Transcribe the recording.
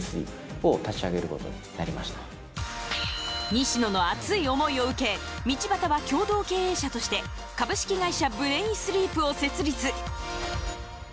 西野の熱い思いを受け道端は共同経営者として株式会社ブレインスリープを設立。